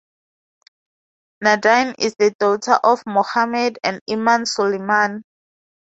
Nadine is the daughter of Mohamed and Iman Soliman.